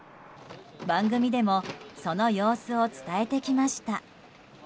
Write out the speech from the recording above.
番組でもその様子を伝えてきました。